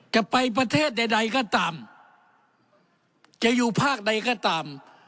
จะไปประเทศใดใดก็ตามจะอยู่ภาคใดก็ตาม